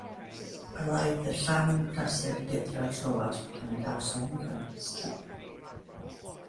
Yr oedd y llanw'n prysur guddio'r tywod pan adawsom yr ynys.